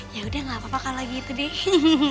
ya udah gak apa apa kalau gitu deh